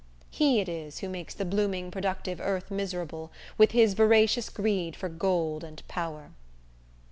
He it is who makes the blooming productive earth miserable, with his voracious greed for gold and power.